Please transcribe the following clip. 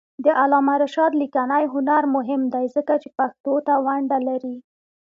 د علامه رشاد لیکنی هنر مهم دی ځکه چې پښتو ته ونډه لري.